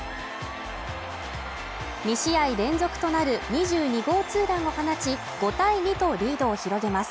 ２試合連続となる２２号ツーランを放ち、５対２とリードを広げます。